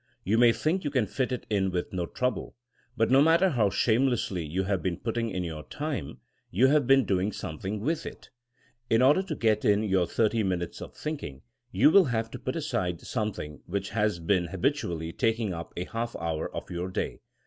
You may think you can fit it in with no trouble. But no matter how shamelessly you have been putting in your time, you have been doing something with it. In order to get in 240 THINKINO AS A 80IEN0E your thirty minutes of thinking, you will have to put aside something which has been habitually taking up a half hour of your day.